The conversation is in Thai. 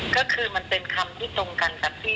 ก็คือมันเป็นคำที่ตรงกันกับพี่